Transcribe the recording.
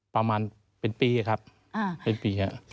ประมาณเป็นปีครับเป็นปีครับ